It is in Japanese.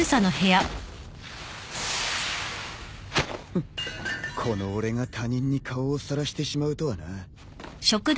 フッこの俺が他人に顔をさらしてしまうとはな。